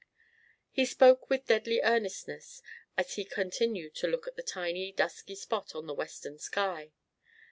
He spoke with deadly earnestness as he continued to look at the tiny dusky spot on the western sky.